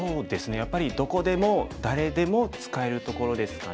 やっぱりどこでも誰でも使えるところですかね。